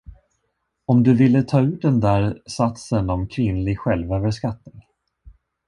Om du ville ta ur den där satsen om kvinnlig självöverskattning.